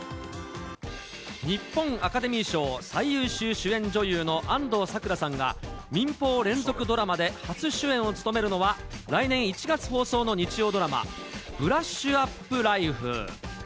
日本アカデミー賞最優秀主演女優の安藤サクラさんが、民放連続ドラマで初主演を務めるのは、来年１月放送の日曜ドラマ、ブラッシュアップライフ。